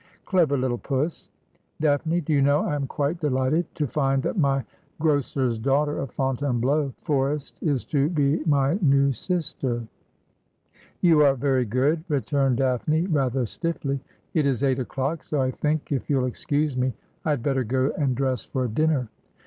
' Clever little puss. Daphne, do you know I am quite delighted to find that my grocer's daughter of Fontainebleau Forest is to be my new sister.' ' You are very good,' returned Daphne rather stiffly. ' It is eight o'clock, so I think, if you'll excuse me, I had better go and dress for dinner.'